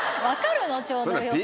わかるの？